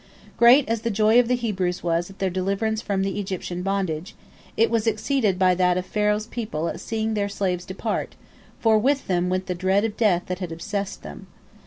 Great as the joy of the Hebrews was at their deliverance from the Egyptian bondage, it was exceeded by that of Pharaoh's people at seeing their slaves depart, for with them went the dread of death that had obsessed them.